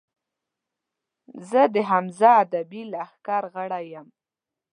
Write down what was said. زۀ د حمزه ادبي لښکر غړے یم